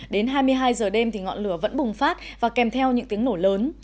đến hai mươi hai giờ đêm thì ngọn lửa vẫn bùng phát và kèm theo những tiếng nổ lớn